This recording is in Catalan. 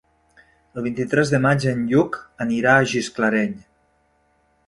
El vint-i-tres de maig en Lluc anirà a Gisclareny.